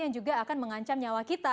yang juga akan mengancam nyawa kita